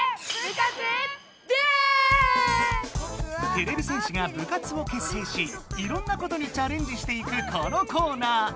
てれび戦士が部活を結成しいろんなことにチャレンジしていくこのコーナー。